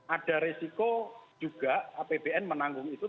ada resiko juga apbn menanggung itu